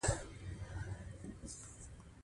دوی به داسې طرح جوړه کړي چې طالبانو ته د منلو وړ وي.